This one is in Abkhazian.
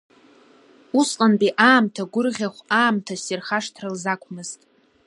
Усҟантәи аамҭа гәырӷьахә, аамҭа ссир хашҭра лзақәмызт.